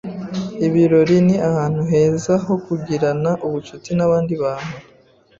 Ibirori ni ahantu heza ho kugirana ubucuti nabandi bantu.